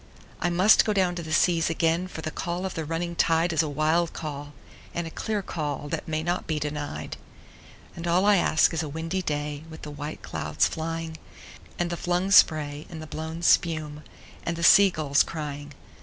I must down go to the seas again, for the call of the running tide Is a wild call and a clear call that may not be denied; And all I ask is a windy day with the white clouds flying, And the flung spray and the blown spume, and the sea gulls crying.